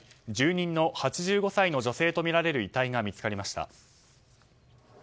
住人の８５歳とみられる遺体が見つかりました。